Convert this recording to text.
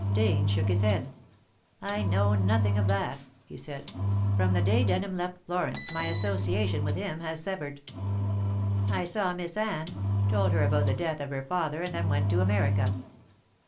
Dane shook his head. "I know nothing of that," he said. "From the day Denham left Florence my association with him has severed. I saw Miss Anne, told her about the death of her father, and then went to America.